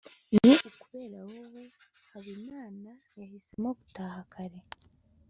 ni ukubera wowe habimana yahisemo gutaha kare